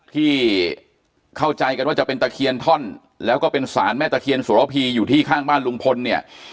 ที่เข้าใจกันว่าจะเป็นตะเคียนท่อนแล้วก็เป็นสารแม่ตะเคียนสุรพีอยู่ที่ข้างบ้านลุงพลเนี่ย